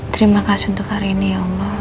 terima kasih untuk hari ini ya allah